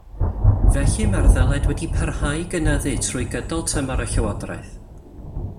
Felly mae'r ddyled wedi parhau i gynyddu trwy gydol tymor y llywodraeth.